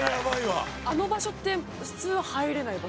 あの場所って普通は入れない場所なんですか？